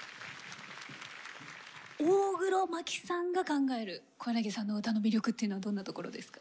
大黒摩季さんが考える小柳さんの歌の魅力っていうのはどんなところですか？